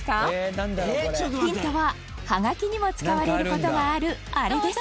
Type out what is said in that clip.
ヒントは、ハガキにも使われる事がある、あれです